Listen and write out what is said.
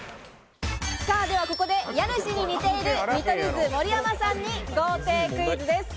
ではここで、家主に似ている、見取り図・盛山さんに豪邸クイズです。